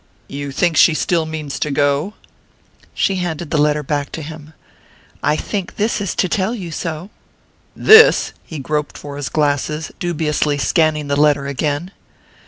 "You think she still means to go?" She handed the letter back to him. "I think this is to tell you so." "This?" He groped for his glasses, dubiously scanning the letter again.